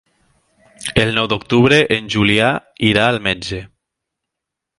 El nou d'octubre en Julià irà al metge.